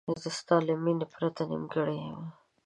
زه ستا له مینې پرته نیمګړی یم.